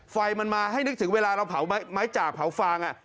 ไฟมันมาให้นึกถึงเวลาเราเผาไม้จากเผาฟาง